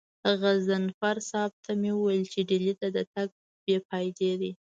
غضنفر صاحب ته مې وويل چې ډهلي ته تګ بې فايدې دی.